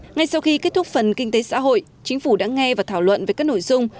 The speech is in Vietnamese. ngay sau khi kết thúc phần kinh tế xã hội chính phủ đã nghe và thảo luận về các nội dung